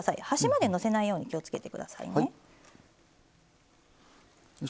端までのせないように気をつけてくださいね。